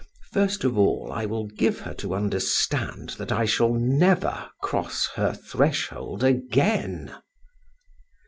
First of all, I will give her to understand that I shall never cross her threshold again."